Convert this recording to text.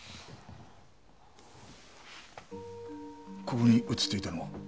ここに写っていたのは？